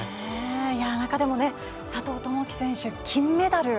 中でも佐藤友祈選手金メダル。